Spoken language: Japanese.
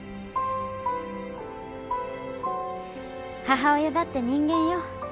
母親だって人間よ。